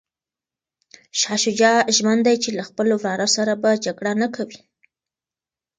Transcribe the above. شاه شجاع ژمن دی چي له خپل وراره سره به جګړه نه کوي.